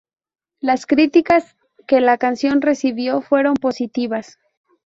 Las críticas que la canción recibió fueron positivas.